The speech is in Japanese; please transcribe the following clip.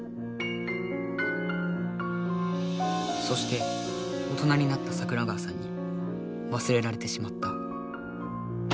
そして大人になった桜川さんにわすれられてしまった。